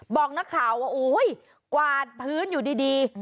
บอกนักข่าวว่ากวาดพื้นอยู่ดี